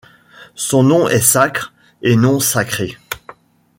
Son nom est sacre, et non sacré.